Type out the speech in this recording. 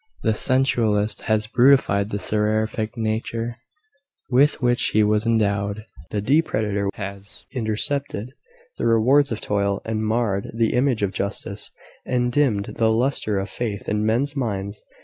The sensualist has brutified the seraphic nature with which he was endowed. The depredator has intercepted the rewards of toil, and marred the image of justice, and dimmed the lustre of faith in men's minds.